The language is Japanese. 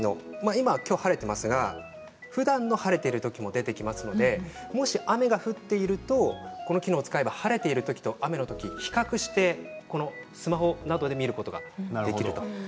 今日は晴れていますがふだんの晴れている時も出てきますのでもし雨が降っていればこの機能を使えば晴れている時は雨が降っている時と比較してスマホなどで見ることができます。